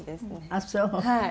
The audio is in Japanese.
ああそう。